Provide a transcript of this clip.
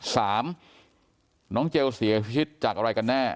สามน้องเจลเสียชีวิตจากอะไรกันแน่